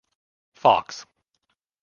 Fox.